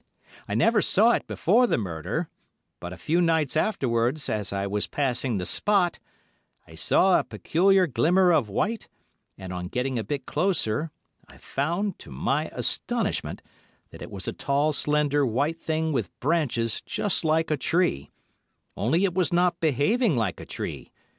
I never saw it before the murder, but a few nights afterwards, as I was passing the spot, I saw a peculiar glimmer of white, and, on getting a bit closer, I found, to my astonishment, that it was a tall, slender white thing with branches just like a tree, only it was not behaving like a tree.